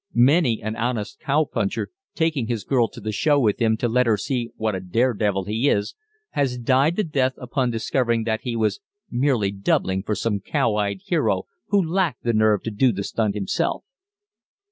Many an honest cowpuncher, taking his girl to the show with him to let her see what a daredevil he is, has died the death upon discovering that he was merely "doubling" for some cow eyed hero who lacked the nerve to do the stunt himself.